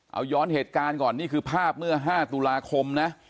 เอาย้อนเหตุการณ์ก่อนนี่คือภาพเมื่อ๕ตุลาคมนะ